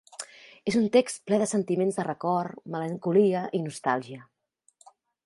És un text ple de sentiments de record, melancolia i nostàlgia.